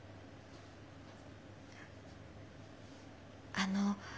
あの。